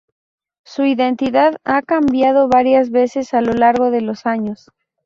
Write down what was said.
Su identidad ha cambiado varias veces a lo largo de los años.